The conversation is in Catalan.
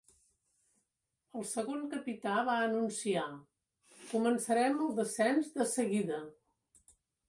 El segon capità va anunciar: "Començarem el descens de seguida".